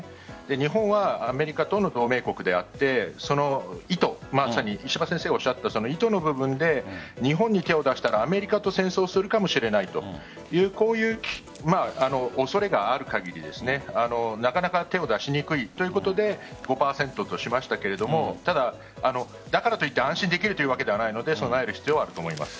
日本はアメリカとの同盟国であって石破先生がおっしゃっていた意図の部分で日本に手を出したらアメリカと戦争するかもしれないという恐れがある限りなかなか手を出しにくいということで５％としましたがただ、だからといって安心できるわけではないので備える必要はあると思います。